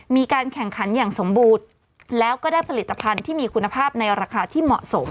มีการแข่งขันอย่างสมบูรณ์แล้วก็ได้ผลิตภัณฑ์ที่มีคุณภาพในราคาที่เหมาะสม